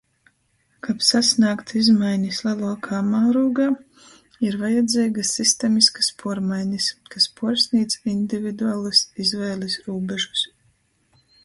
Kab sasnāgtu izmainis leluokā mārūgā, ir vajadzeigys sistemiskys puormainis, kas puorsnīdz individualys izvēlis rūbežus.